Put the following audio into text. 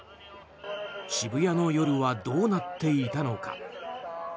渋谷の夜はどうなっていたのか。